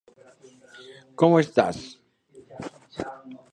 En las orillas del río Negro se desarrolla con gran auge el canotaje.